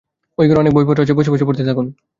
ঐ ঘরে অনেক বইপত্র আছে, বসে-বসে পড়তে থাকুন।